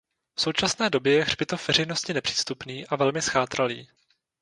V současné době je hřbitov veřejnosti nepřístupný a velmi zchátralý.